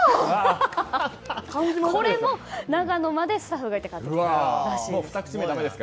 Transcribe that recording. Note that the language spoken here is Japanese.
これも長野までスタッフが買ってきたらしいです。